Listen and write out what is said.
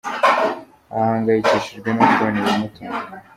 Ahangayikishijwe no kubona ibimutunga